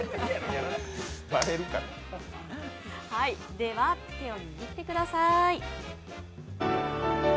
では、手を握ってください。